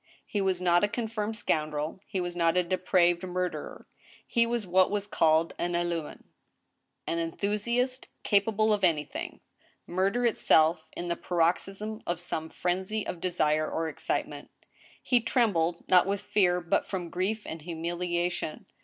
He was not a confirmed scoundrel, he was not a depraved mur derer ; he was what was called an illuming, an enthusiast capable of anything, murder itself, in the paroxysm of some frenzy of desire or excitement. He trembled, not with fear, but from grief and humilia tion.